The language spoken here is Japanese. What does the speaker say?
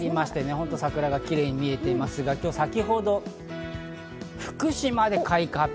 桜がキレイに見えていますが、先ほど福島で開花発表。